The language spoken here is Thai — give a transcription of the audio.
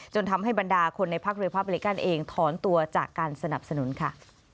จนทำให้บรรดาคนในพักรีพับริกันเองถอนตัวจากการสนับสนุนค่ะ